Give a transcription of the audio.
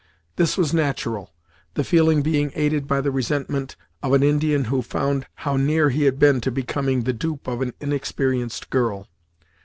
This was natural; the feeling being aided by the resentment of an Indian who found how near he had been to becoming the dupe of an inexperienced girl.